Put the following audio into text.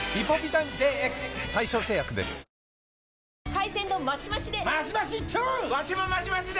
海鮮丼マシマシで！